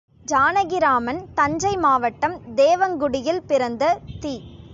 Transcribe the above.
ஜானகிராமன் தஞ்சை மாவட்டம் தேவங்குடியில் பிறந்த தி.